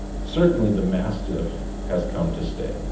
Certainly the Mastiff has come to stay.